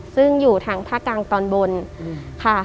ซึ่งอยู่ทางภาคกลางตอนบนค่ะ